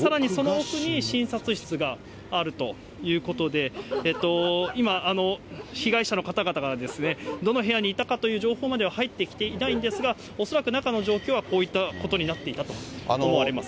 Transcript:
さらにその奥に診察室があるということで、今、被害者の方々がどの部屋にいたかという情報まで入ってきていないんですが、恐らく中の状況はこういったことになっていたと思われます。